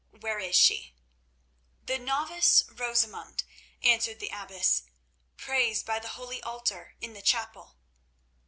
Where is she?" "The novice Rosamund," answered the abbess, "prays by the holy altar in the chapel."